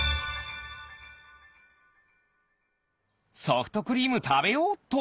ソフトクリームたべようっと！